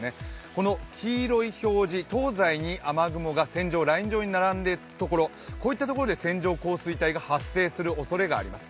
この黄色い表示、東西に雨雲がライン状に並んでいるところこういったところで線状降水帯が発生するおそれがあります。